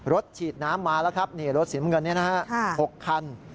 รถฉีดน้ำมาแล้วครับรถสีเงินนี้๖คัน